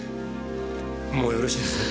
もうよろしいですね。